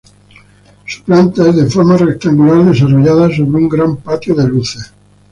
Su planta es de forma rectangular desarrollada sobre un gran patio de luces.